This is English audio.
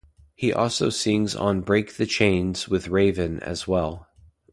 He also sings on Break the Chains with Raven as well.